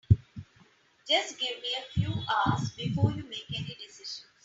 Just give me a few hours before you make any decisions.